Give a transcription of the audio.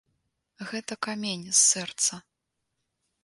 Гэта камень з сэрца.